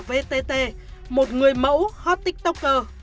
vtt một người mẫu hot tiktoker